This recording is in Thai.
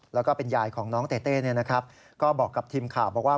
แล้วก็เป็นยายของน้องเต้เต้ก็บอกกับทีมข่าวบอกว่า